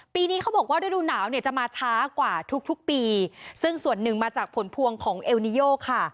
ปีนี้เขาบอกว่าฤดูหนาวเนี่ยจะมาช้ากว่าทุกทุกปีซึ่งส่วนหนึ่งมาจากผลพวงของเอลนิโยค่ะ